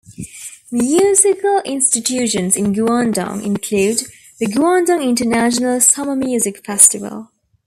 Musical institutions in Guangdong include the Guangdong International Summer Music Festival.